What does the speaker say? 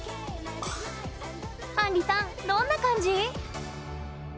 あんりさんどんな感じ？